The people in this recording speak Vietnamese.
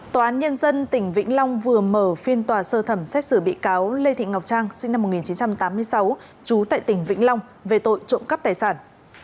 tòa án nhân dân tỉnh vĩnh long vừa mở phiên tòa sơ thẩm xét xử bị cáo lê thị ngọc trang sinh năm một nghìn chín trăm tám mươi sáu trú tại tỉnh vĩnh long về tội trộm cắp tài sản